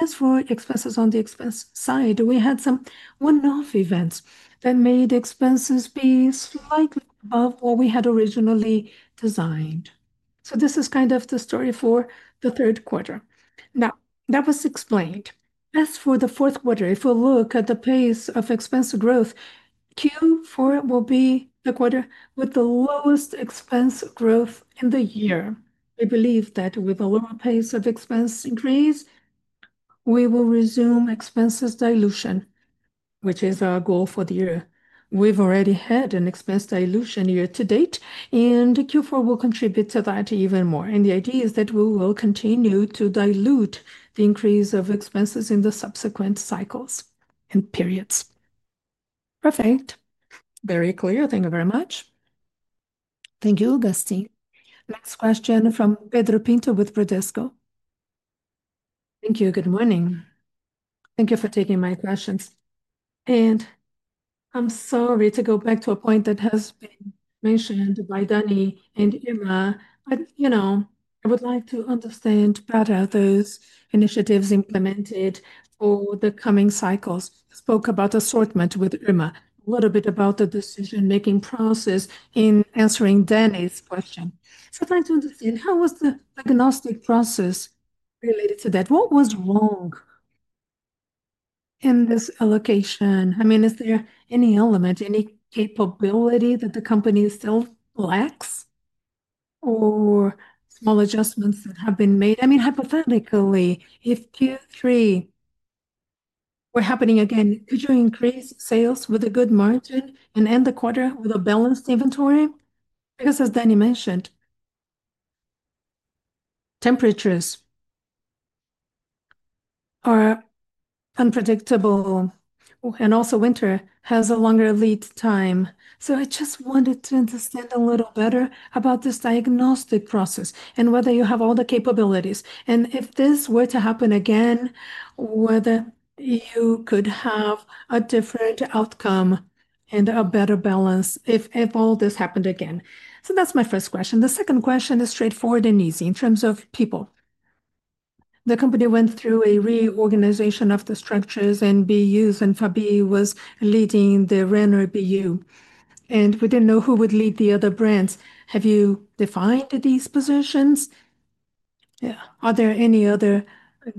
As for expenses on the expense side, we had some one-off events that made expenses be slightly above what we had originally designed. This is kind of the story for the third quarter. That was explained. As for the fourth quarter, if we look at the pace of expense growth, Q4 will be the quarter with the lowest expense growth in the year. We believe that with a lower pace of expense increase, we will resume expenses dilution, which is our goal for the year. We've already had an expense dilution year-to-date, and Q4 will contribute to that even more. The idea is that we will continue to dilute the increase of expenses in the subsequent cycles and periods. Perfect. Very clear. Thank you very much. Thank you, Gastim. Next question from Pedro Pinto with Bradesco. Thank you. Good morning. Thank you for taking my questions. I'm sorry to go back to a point that has been mentioned by Danny and Irma, but you know I would like to understand better those initiatives implemented for the coming cycles. We spoke about assortment with Irma, a little bit about the decision-making process in answering Danny's question. I would like to understand how was the diagnostic process related to that? What was wrong in this allocation? I mean, is there any element, any capability that the company still lacks, or small adjustments that have been made? I mean, hypothetically, if Q3 were happening again, could you increase sales with a good margin and end the quarter with a balanced inventory? Because, as Danny mentioned, temperatures are unpredictable, and also winter has a longer lead time. I just wanted to understand a little better about this diagnostic process and whether you have all the capabilities. If this were to happen again, whether you could have a different outcome and a better balance if all this happened again? That is my first question. The second question is straightforward and easy in terms of people. The company went through a reorganization of the structures, and BUs, and Fabio was leading the Renner BU. We did not know who would lead the other brands. Have you defined these positions? Are there any other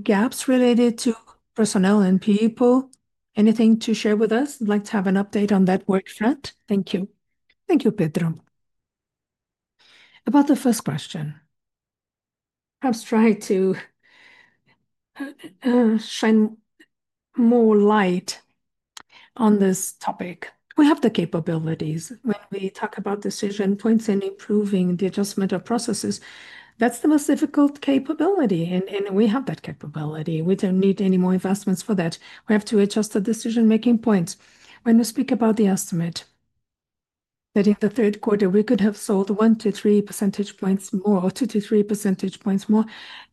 gaps related to personnel and people? Anything to share with us? I would like to have an update on that work front. Thank you. Thank you, Pedro. About the first question, perhaps try to shine more light on this topic. We have the capabilities. When we talk about decision points and improving the adjustment of processes, that is the most difficult capability. We have that capability. We do not need any more investments for that. We have to adjust the decision-making points. When we speak about the estimate, that in the third quarter, we could have sold one to three% points more, two to three% points more.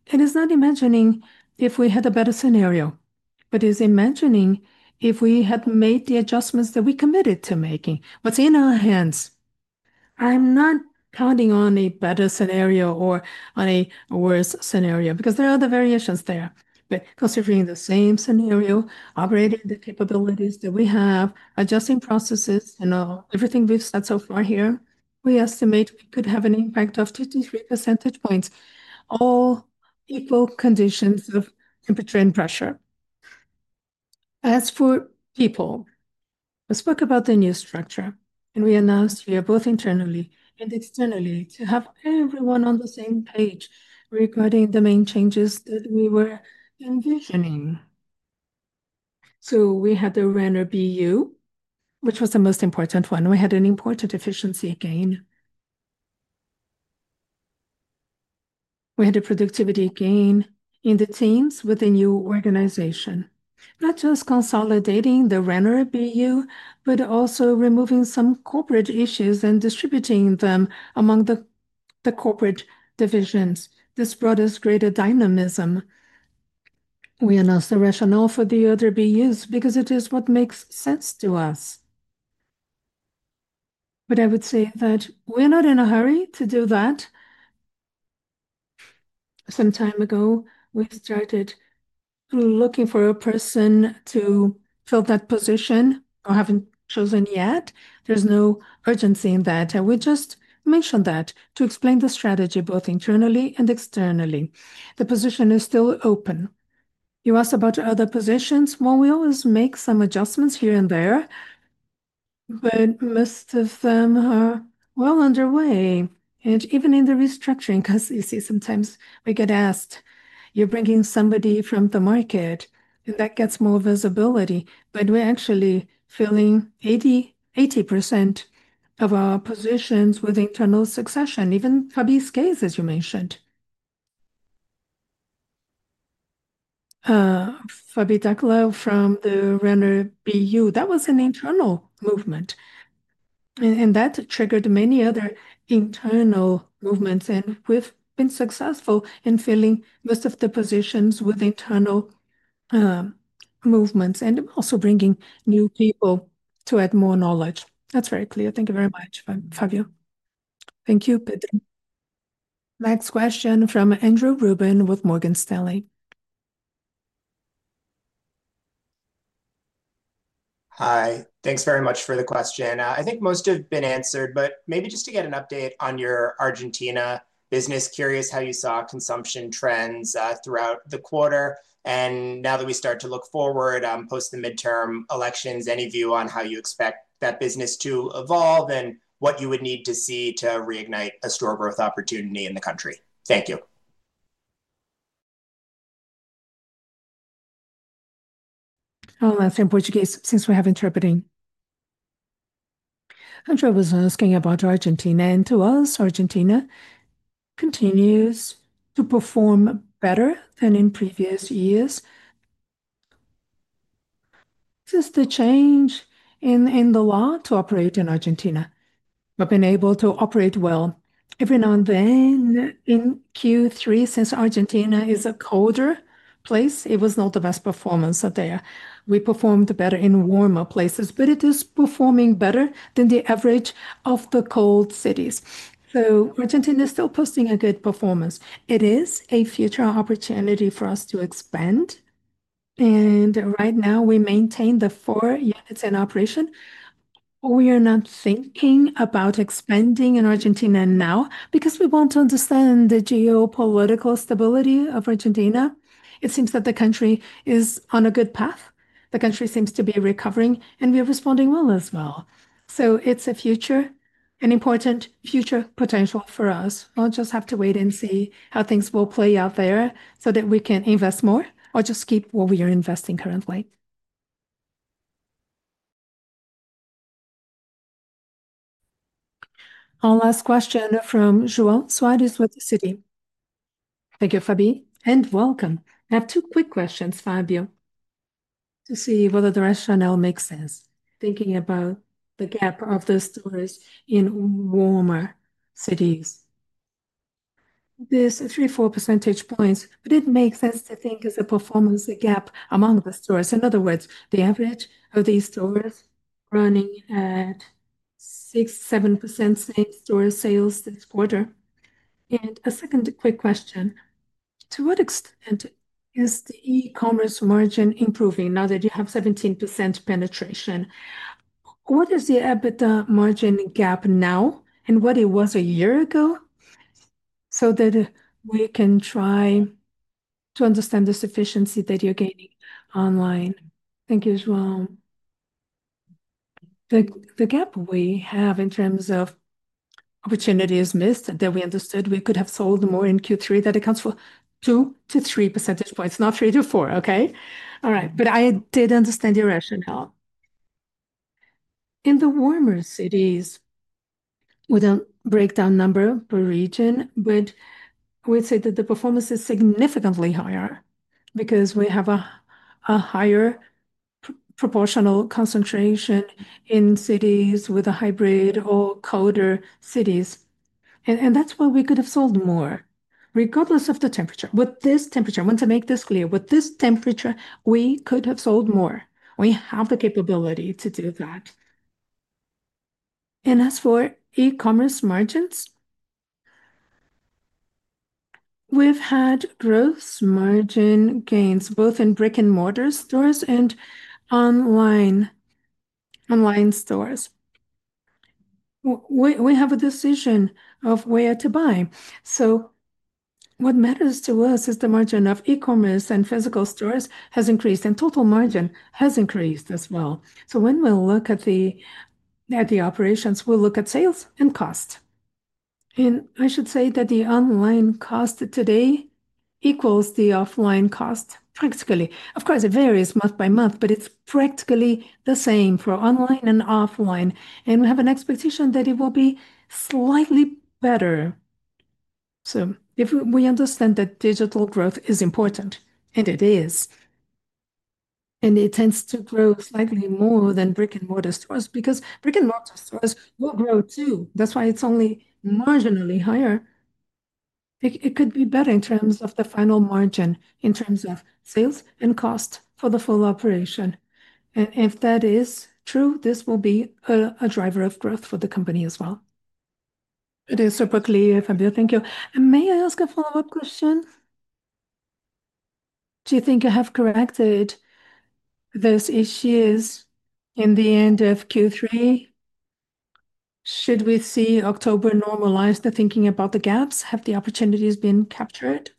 It is not imagining if we had a better scenario, but it is imagining if we had made the adjustments that we committed to making. In our hands, I am not counting on a better scenario or on a worse scenario because there are other variations there. Considering the same scenario, operating the capabilities that we have, adjusting processes, and everything we have said so far here, we estimate we could have an impact of two to three% points, all equal conditions of temperature and pressure. As for people, we spoke about the new structure, and we announced here both internally and externally to have everyone on the same page regarding the main changes that we were envisioning. We had the Renner BU, which was the most important one. We had an important efficiency gain. We had a productivity gain in the teams with the new organization, not just consolidating the Renner BU, but also removing some corporate issues and distributing them among the corporate divisions. This brought us greater dynamism. We announced the rationale for the other BUs because it is what makes sense to us. I would say that we're not in a hurry to do that. Some time ago, we started looking for a person to fill that position. We haven't chosen yet. There's no urgency in that. We just mentioned that to explain the strategy, both internally and externally. The position is still open. You asked about other positions. We always make some adjustments here and there, but most of them are well underway. Even in the restructuring, because you see, sometimes we get asked, you're bringing somebody from the market, and that gets more visibility. We are actually filling 80% of our positions with internal succession, even Fabio's case, as you mentioned. Fabio Daclau from the Renner BU, that was an internal movement. That triggered many other internal movements. We have been successful in filling most of the positions with internal movements and also bringing new people to add more knowledge. That is very clear. Thank you very much, Fabio. Thank you, Pedro. Next question from Andrew Ruben with Morgan Stanley. Hi. Thanks very much for the question. I think most have been answered, but maybe just to get an update on your Argentina business, curious how you saw consumption trends throughout the quarter. Now that we start to look forward post the midterm elections, any view on how you expect that business to evolve and what you would need to see to reignite a store growth opportunity in the country? Thank you. I'll answer in Portuguese since we have interpreting. Andrew was asking about Argentina, and to us, Argentina continues to perform better than in previous years. Since the change in the law to operate in Argentina, we've been able to operate well. Every now and then in Q3, since Argentina is a colder place, it was not the best performance there. We performed better in warmer places, but it is performing better than the average of the cold cities. Argentina is still posting a good performance. It is a future opportunity for us to expand. Right now, we maintain the four units in operation. We are not thinking about expanding in Argentina now because we want to understand the geopolitical stability of Argentina. It seems that the country is on a good path. The country seems to be recovering, and we are responding well as well. It is a future, an important future potential for us. We will just have to wait and see how things will play out there so that we can invest more or just keep what we are investing currently. Our last question from João Soares with Citi. Thank you, Fabio, and welcome. I have two quick questions, Fabio, to see whether the rationale makes sense. Thinking about the gap of the stores in warmer cities, there are 3% or 4% points, but it makes sense to think as a performance gap among the stores. In other words, the average of these stores running at 6%-7% same-store sales this quarter. A second quick question. To what extent is the e-commerce margin improving now that you have 17% penetration? What is the EBITDA margin gap now, and what it was a year ago, so that we can try to understand the sufficiency that you're gaining online? Thank you, João. The gap we have in terms of opportunities missed that we understood we could have sold more in Q3, that accounts for 2%-3% points, not 3%-4%, okay? All right, but I did understand your rationale. In the warmer cities, we do not break down number per region, but we would say that the performance is significantly higher because we have a higher proportional concentration in cities with a hybrid or colder cities. That is why we could have sold more, regardless of the temperature. With this temperature, I want to make this clear. With this temperature, we could have sold more. We have the capability to do that. As for e-commerce margins, we've had gross margin gains both in brick-and-mortar stores and online stores. We have a decision of where to buy. What matters to us is the margin of e-commerce and physical stores has increased, and total margin has increased as well. When we look at the operations, we look at sales and cost. I should say that the online cost today equals the offline cost practically. Of course, it varies month by month, but it is practically the same for online and offline. We have an expectation that it will be slightly better. If we understand that digital growth is important, and it is, and it tends to grow slightly more than brick-and-mortar stores, because brick-and-mortar stores will grow too. That is why it is only marginally higher. It could be better in terms of the final margin, in terms of sales, and cost for the full operation. And if that is true, this will be a driver of growth for the company as well. It is super clear, Fabio. Thank you. May I ask a follow-up question? Do you think you have corrected those issues in the end of Q3? Should we see October normalize the thinking about the gaps? Have the opportunities been captured?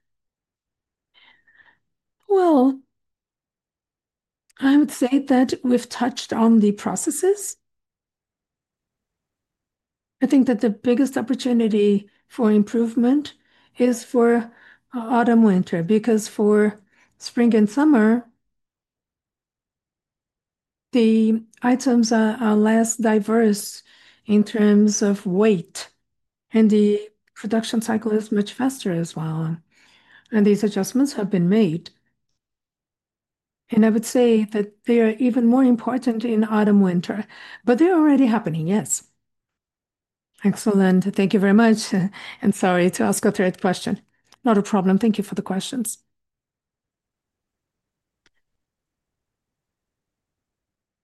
I would say that we have touched on the processes. I think that the biggest opportunity for improvement is for autumn-winter because for spring and summer, the items are less diverse in terms of weight, and the production cycle is much faster as well. These adjustments have been made. I would say that they are even more important in autumn-winter, but they are already happening, yes. Excellent. Thank you very much. Sorry to ask a third question. Not a problem. Thank you for the questions.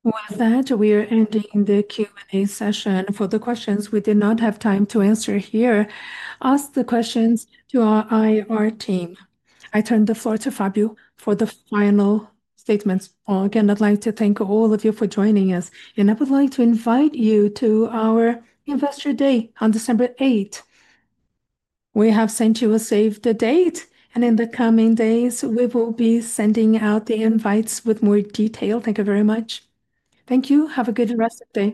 With that, we are ending the Q&A session. For the questions we did not have time to answer here, ask the questions to our IR team. I turn the floor to Fabio for the final statements. Again, I would like to thank all of you for joining us. I would like to invite you to our investor day on December 8th. We have sent you a save the date, and in the coming days, we will be sending out the invites with more detail. Thank you very much. Thank you. Have a good rest of the day.